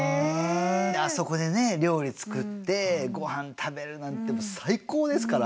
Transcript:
あそこでね料理作ってごはん食べるなんて最高ですから。